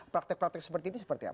praktek praktek seperti ini seperti apa